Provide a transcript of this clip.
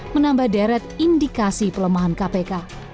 menambah deret indikasi pelemahan kpk